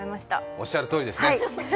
おっしゃるとおりです。